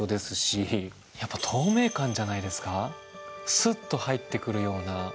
すっと入ってくるような。